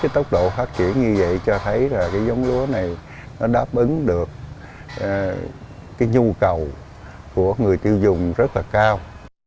tốc độ phát triển như vậy cho thấy giống lúa này đáp ứng được nhu cầu của người tiêu dùng rất cao